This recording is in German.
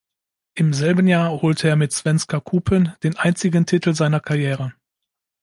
Im selben Jahr holte er mit dem Svenska Cupen den einzigen Titel seiner Karriere.